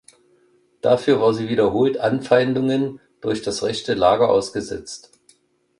Dafür war sie wiederholt Anfeindungen durch das rechte Lager ausgesetzt.